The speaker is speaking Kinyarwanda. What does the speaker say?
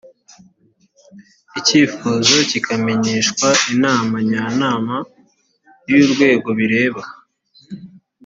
icyifuzo kikamenyeshwa inama njyanama y’urwego bireba